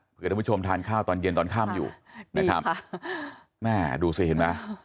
เพื่อท่านผู้ชมทานข้าวตอนเย็นตอนค่ำอยู่นะครับแม่ดูสิเห็นไหม